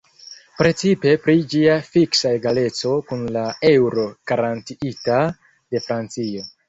Precipe pri ĝia fiksa egaleco kun la eŭro garantiita de Francio.